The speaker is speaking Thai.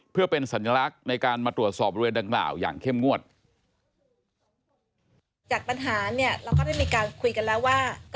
เพื่อเป็นสัญลักษณ์ในการมาตรวจสอบเรือนดังเหล่าอย่างเข้มงวด